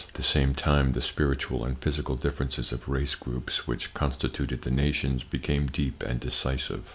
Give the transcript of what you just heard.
At the same time the spiritual and physical differences of race groups which constituted the nations became deep and decisive.